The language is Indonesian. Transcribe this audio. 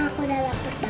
aku udah lapar lapar